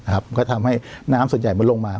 ก็ทำให้น้ำส่วนใหญ่มันลงมา